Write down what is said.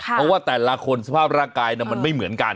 เพราะว่าแต่ละคนสภาพร่างกายมันไม่เหมือนกัน